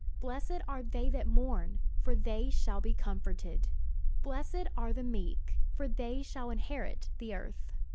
"Blessed are they that mourn: for they shall be comforted. "Blessed are the meek: for they shall inherit the earth.